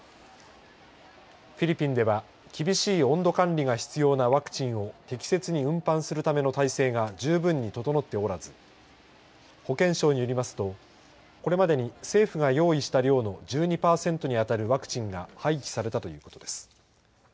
フィリピンでは厳しい温度管理が必要なワクチンを適切に運搬するための体制が十分に整っておらず保健省によりますと、これまでに政府が用意した量の１２パーセントに当たるワクチンが廃棄されたということです。